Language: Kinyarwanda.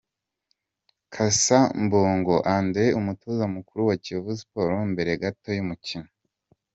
Cassa Mbungo Andre umutoza mukuru wa Kiyovu Sport mbere gato y'umukino.